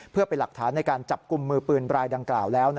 เพื่อเป็นหลักฐานในการจับกลุ่มมือปืนรายดังกล่าวแล้ว